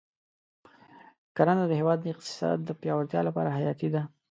کرنه د هېواد د اقتصاد د پیاوړتیا لپاره حیاتي ده.